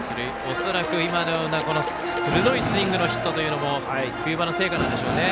恐らく今のような鋭いスイングのヒットも冬場の成果なんでしょうね。